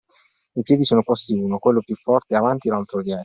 I piedi sono posti uno (quello più “forte”) avanti, l’altro dietro.